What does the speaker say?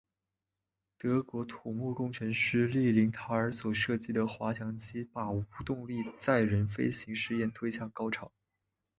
德国土木工程师利林塔尔所设计的滑翔机把无动力载人飞行试验推向高潮。